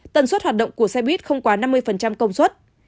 tần suất hoạt động của xe buýt không quá năm mươi công suất